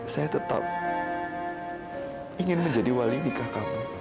saya tetap ingin menjadi wali nikah kamu